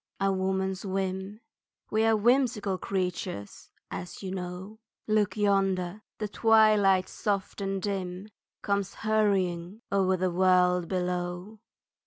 A woman's whim, We are whimsical creatures, as you know Look yonder, the twilight soft and dim Comes hurrying over the world below.